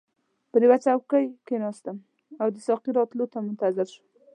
پر یوه چوکۍ کښیناستم او د ساقي راتلو ته منتظر شوم.